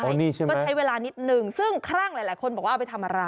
ก็ใช้เวลานิดนึงซึ่งคลั่งหลายคนบอกว่าเอาไปทำอะไร